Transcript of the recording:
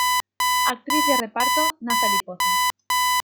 Actriz de reparto: Nathalie Poza.